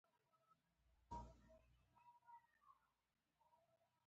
لمونځ یو بدنی عبادت دی .